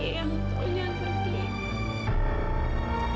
ayang tolong jangan pergi